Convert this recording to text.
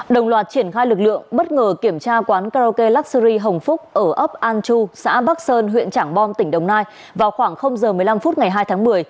đồng loạt triển khai lực lượng bất ngờ kiểm tra quán karaoke luxury hồng phúc ở ấp an chu xã bắc sơn huyện trảng bom tỉnh đồng nai vào khoảng giờ một mươi năm phút ngày hai tháng một mươi